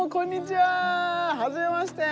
はじめまして。